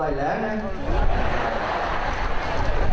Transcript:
ร่อยแหล่งนะ